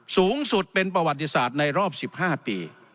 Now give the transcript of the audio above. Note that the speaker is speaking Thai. สูงสุดเป็นประวัติศาสตร์ในรอบ๑๕ปี